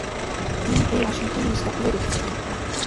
তিনি এই আসনটি নিজ দখলে রেখেছিলেন।